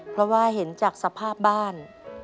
เพราะว่าเห็นจากสภาพบ้าน